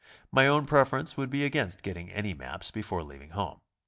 My own preference would be against getting any maps be fore leaving home.